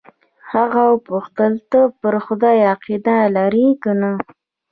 هغه وپوښتل ته پر خدای عقیده لرې که نه.